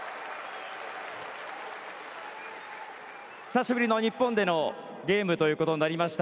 久しぶりの日本でのゲームとなりました。